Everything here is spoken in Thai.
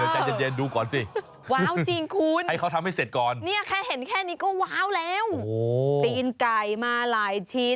โอ้เดี๋ยวใจเย็นดูก่อนสิ